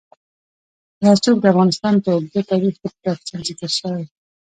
رسوب د افغانستان په اوږده تاریخ کې په تفصیل ذکر شوی.